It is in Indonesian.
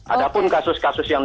ada pun kasus kasus yang